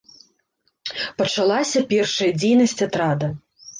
Пачалася першая дзейнасць атрада.